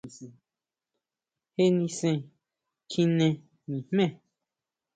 ¿Jé nisen kjine nijme?